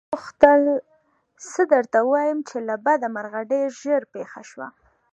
ما غوښتل څه درته ووايم چې له بده مرغه ډېر ژر پېښه شوه.